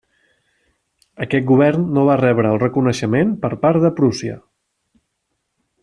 Aquest govern no va rebre el reconeixement per part de Prússia.